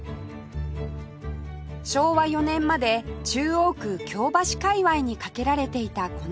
昭和４年まで中央区京橋界隈に架けられていたこの鉄橋